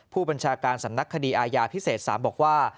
ผู้บัญชาการสนักคดีอายาภิเษษสามบอกว่า